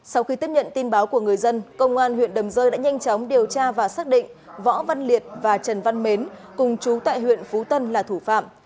sau khi tiếp nhận tin báo của người dân công an huyện đầm rơi đã nhanh chóng điều tra và xác định võ văn liệt và trần văn mến cùng chú tại huyện phú tân là thủ phạm